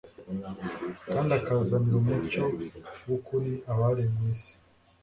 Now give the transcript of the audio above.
kandi akazanira umucyo w'ukuri abari mu isi.